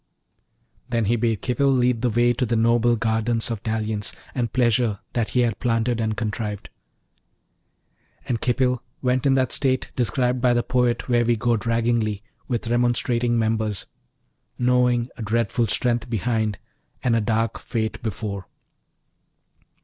Then he bade Khipil lead the way to the noble gardens of dalliance and pleasure that he had planted and contrived. And Khipil went in that state described by the poet, when we go draggingly, with remonstrating members, Knowing a dreadful strength behind, And a dark fate before.